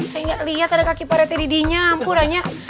saya nggak liat ada kaki pak rete didihnya ampurannya